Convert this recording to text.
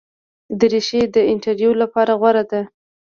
دریشي د انټرویو لپاره غوره ده.